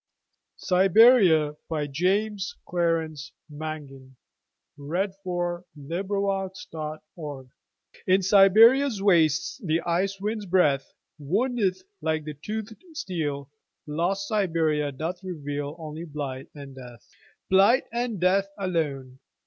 ria Siberia By James Clarence Mangan (1803–1849) IN Siberia's wastesThe ice wind's breathWoundeth like the toothéd steel; Lost Siberia doth revealOnly blight and death. Blight and death alone.